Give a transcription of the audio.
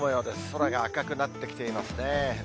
空が赤くなってきていますね。